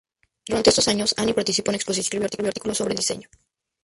Durante estos años Anni participó en exposiciones y escribió artículos sobre diseño.